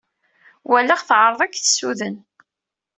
Walaɣ teɛreḍ ad k-tessuden.